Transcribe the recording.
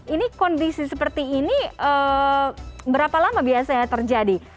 ini kondisi seperti ini berapa lama biasanya terjadi